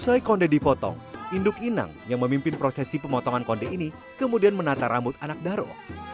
usai konde dipotong induk inang yang memimpin prosesi pemotongan konde ini kemudian menata rambut anak daro